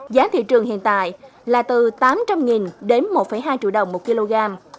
giá thị trường hiện tại là từ tám trăm linh đến một hai triệu đồng một kg